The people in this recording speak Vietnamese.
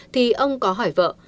thì ông có hỏi vợ